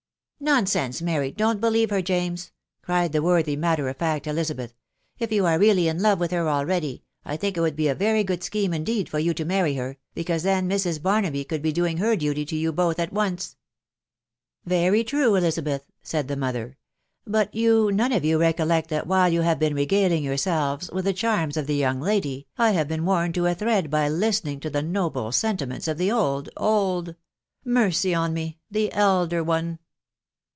Nonsense, Mary I .... Don't believe her, James! cried the worthy matter of fact Elizabeth. " If you are really in love with her already, I think it would be a very .good scheme indeed for you to marry her, because then Mrs. Barnaby could be doing her duty to you both at once." " Very true, Elizabeth," .... said the mother r €f but you none of you recollect that while you have been regaling your selves with the charms of the young lady, I have been worn to a thread by listening to die noble sentiments of the old .•.• old ?.... mercy on me !■ the elder one.